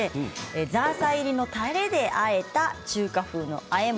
ザーサイ入りのたれであえた中華風のあえ物